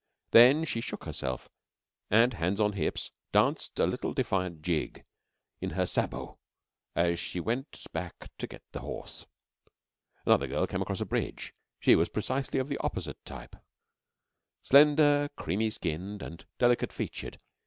Then she shook herself, and, hands on hips, danced a little defiant jig in her sabots as she went back to get the horse. Another girl came across a bridge. She was precisely of the opposite type, slender, creamy skinned, and delicate featured.